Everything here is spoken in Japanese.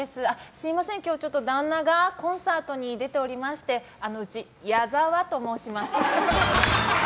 すみません、今日ちょっと旦那がコンサートに出ておりましてうち、ＹＡＺＡＷＡと申します。